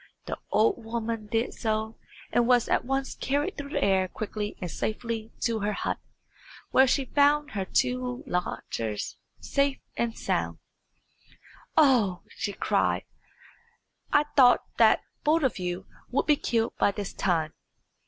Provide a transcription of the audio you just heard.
The old woman did so, and was at once carried through the air quickly and safely to her hut, where she found her two lodgers safe and sound. "Oh!" she cried, "I thought that both of you would be killed by this time.